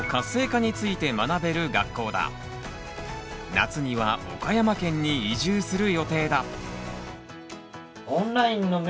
夏には岡山県に移住する予定だ。